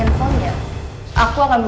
bapak lagi pakailagen